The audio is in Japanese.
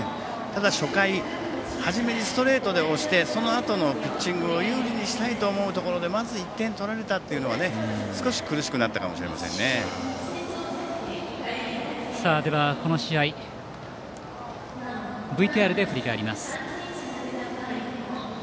ただ初回、初めにストレートで押してそのあとのピッチングを有利にしたいと思うところでまず１点取られたというところは少し苦しくなったかもこの試合ＶＴＲで振り返ります。